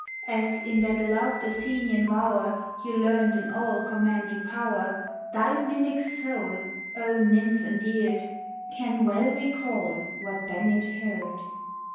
As, in that loved Athenian bower, You learned an all commanding power, Thy mimic soul, O nymph endeared, Can well recall what then it heard.